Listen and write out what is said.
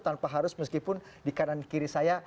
tanpa harus meskipun di kanan kiri saya